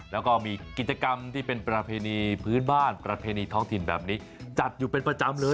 แล้วก็มีกิจกรรมที่เป็นประเพณีพื้นบ้านประเพณีท้องถิ่นแบบนี้จัดอยู่เป็นประจำเลย